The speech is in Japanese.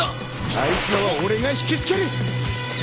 あいつらは俺が引きつける。